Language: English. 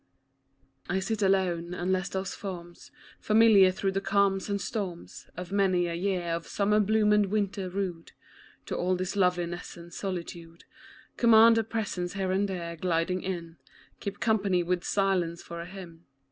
I sit alone, unless those forms, Familiar through the calms and storms Of many a year of summer bloom and winter rude, To all this loveliness and solitude, Command a presence here and, gliding in, Keep company with silence for a hymn.